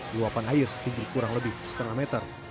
luapan air setinggi kurang lebih setengah meter